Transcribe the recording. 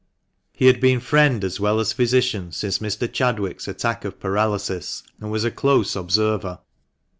He had been friend as well as physician since Mr. Chadwick's attack of paralysis, and was a close observer.